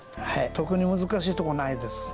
特に難しいとこないです。